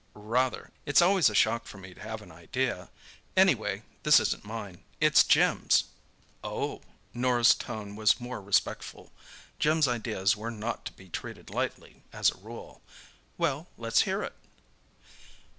"Rather. It's always a shock for me to have an idea. Anyway this isn't mine—it's Jim's." "Oh." Norah's tone was more respectful. Jim's ideas were not to be treated lightly as a rule. "Well, let's hear it."